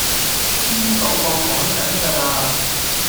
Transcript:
篇稿我趕緊架喇